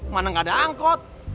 mana gak ada angkot